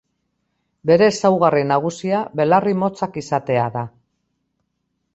Bere ezaugarri nagusia belarri motzak izatea da.